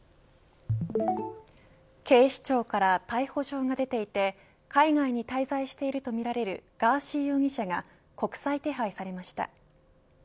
警視庁から逮捕状が出ていて海外に滞在しているとみられるガーシー容疑者が国際手配されました。